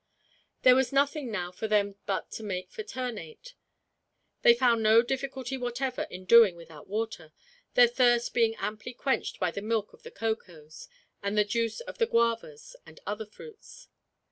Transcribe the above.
There was nothing now for them but to make for Ternate. They found no difficulty whatever in doing without water, their thirst being amply quenched by the milk of the cocoas, and the juice of the guavas and other fruits.